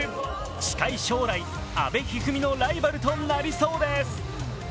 近い将来、阿部一二三のライバルとなりそうです。